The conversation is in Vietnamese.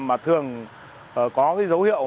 mà thường có cái dấu hiệu